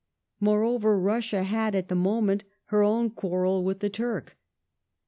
^ Moreover, Russia had at the moment her own quarrel with the Turk.